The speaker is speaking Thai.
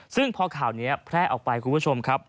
ซึ่งพอข่าวนี้แพร่ออกไปคุณผู้ชมครับ